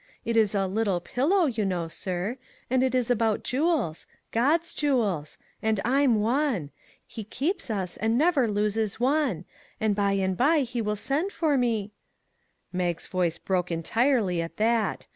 It is a ' Little Pillow/ you know, sir, and it is about jewels; God's jewels; and I'm one; he keeps us and never loses one; and by and by he will send for me " Mag's voice broke entirely at that.